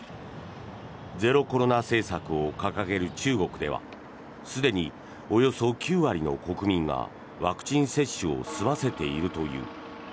ゼロコロナ政策を掲げる中国ではすでにおよそ９割の国民がワクチン接種を済ませているという。